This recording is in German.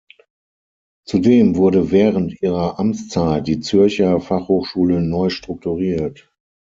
Zudem wurde während ihrer Amtszeit die Zürcher Fachhochschule neu strukturiert.